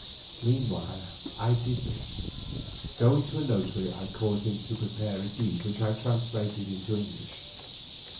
Meanwhile I did this. Going to a notary I caused him to prepare a deed which I translated into English.